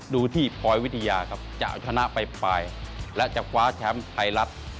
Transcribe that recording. ดูที่พลอยวิทยาครับจะเอาชนะไปปลายและจะคว้าแชมป์ไทยรัฐ